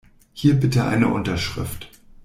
Hier bitte eine Unterschrift.